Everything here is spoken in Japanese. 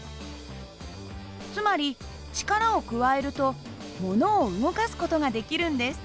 つまり力を加えるとものを動かす事ができるんです。